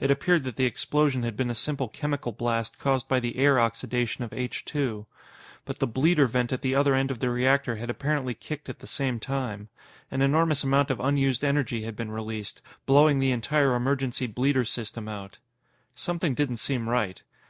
It appeared that the explosion had been a simple chemical blast caused by the air oxidation of H 2. But the bleeder vent at the other end of the reactor had apparently kicked at the same time. An enormous amount of unused energy had been released, blowing the entire emergency bleeder system out. Something didn't seem right.